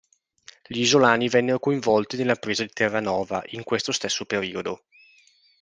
Gli isolani vennero coinvolti nella presa di Terranova in questo stesso periodo.